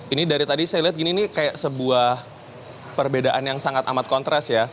ini dari tadi saya lihat gini ini kayak sebuah perbedaan yang sangat amat kontras ya